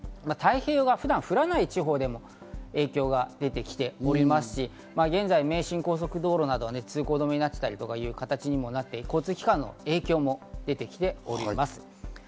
太平洋側は普段降らない地方でも影響が出てきておりますし、現在、名神高速道路などでは通行止めになっていたりという形にもなっていて、交通機関に影響も出てきています。